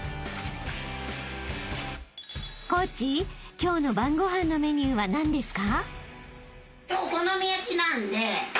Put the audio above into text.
［コーチ今日の晩ご飯のメニューは何ですか？］